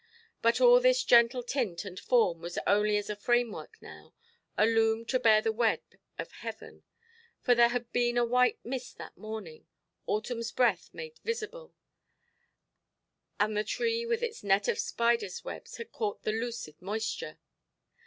But all this gentle tint and form was only as a framework now, a loom to bear the web of heaven. For there had been a white mist that morning—autumnʼs breath made visible; and the tree with its net of spiderʼs webs had caught the lucid moisture.